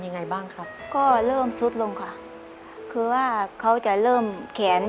ยังไงบ้างครับก็เริ่มซุดลงค่ะคือว่าเขาจะเริ่มแขน